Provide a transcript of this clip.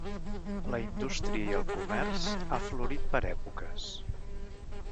La indústria i el comerç ha florit per èpoques.